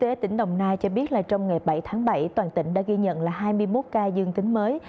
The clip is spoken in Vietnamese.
sở y tế tỉnh đồng nai cho biết trong ngày bảy tháng bảy toàn tỉnh đã ghi nhận hai mươi một ca dương tính mới